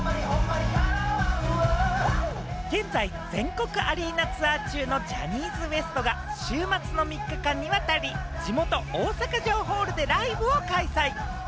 現在、全国アリーナツアー中のジャニーズＷＥＳＴが週末の３日間にわたり、地元・大阪城ホールでライブを開催。